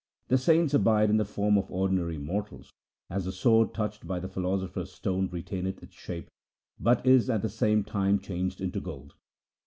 The saints abide in the form of ordinary mortals, as the sword touched by the philosopher's stone retaineth its shape, but is at the same time changed into gold.